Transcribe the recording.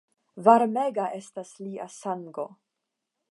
Varmega estas lia sango!